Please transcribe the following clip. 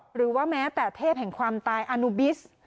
หรือว่าแม้แต่เทพแห่งความตายอนุบิส